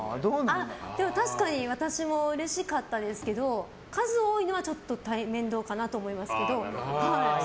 でも確かに私もうれしかったですけど数多いのはちょっと面倒かなと思いますけど。